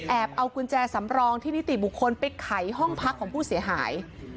เอากุญแจสำรองที่นิติบุคคลไปไขห้องพักของผู้เสียหาย